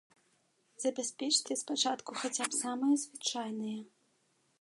Забяспечце спачатку хаця б самыя звычайныя.